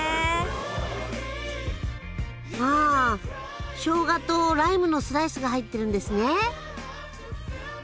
あしょうがとライムのスライスが入ってるんですね。